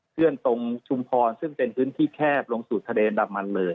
เคลื่อนตรงชุมพรซึ่งเป็นพื้นที่แคบลงสู่ทะเลอันดับมันเลย